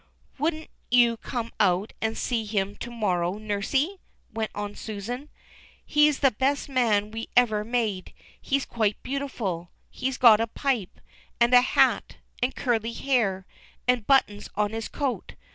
"Won't you come out and see him to morrow, Nur sey ?" went on Susan. "He's the best man we ever made. He's quite beautiful. He's got a pipe, and a hat, and curly hair, and buttons on his coat.